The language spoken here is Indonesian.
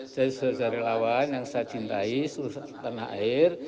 jadi seorang rai lawan yang saya cintai seluruh tanah air